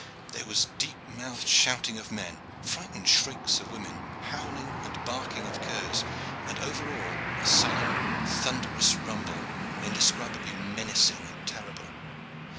There was deep mouthed shouting of men, frightened shrieks of women, howling and barking of curs, and over all a sullen, thunderous rumble, indescribably menacing and terrible.